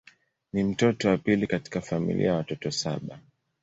Ni mtoto wa pili katika familia ya watoto saba.